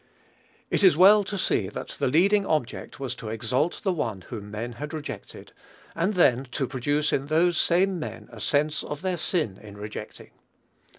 It is well to see that the leading object was to exalt the one whom men had rejected; and then to produce in those same men a sense of their sin in rejecting.